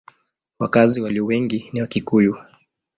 Wakazi walio wengi ni Wakikuyu.